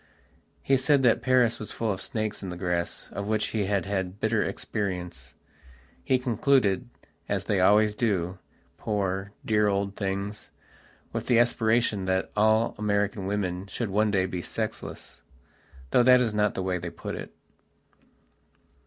He said that Paris was full of snakes in the grass, of which he had had bitter experience. He concluded, as they always do, poor, dear old things, with the aspiration that all American women should one day be sexlessthough that is not the way they put it..